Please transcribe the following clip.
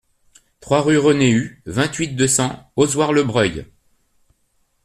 trois rue René Hue, vingt-huit, deux cents, Ozoir-le-Breuil